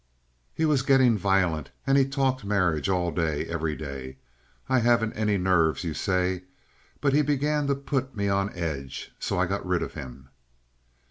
"He was getting violent, and he talked marriage all day, every day. I haven't any nerves, you say, but he began to put me on edge. So I got rid of him."